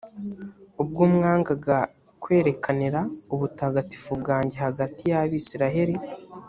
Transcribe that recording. ubwo mwangaga kwerekanira ubutagatifu bwanjye hagati y’abayisraheli.